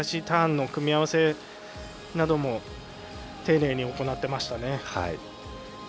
ターンの組み合わせなども丁寧に行っていましたね。